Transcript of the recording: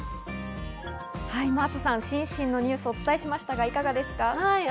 真麻さん、シンシンのニュースをお伝えしましたが、いかがですか？